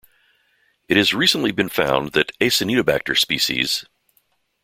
It has recently been found that "Acinetobacter" sp.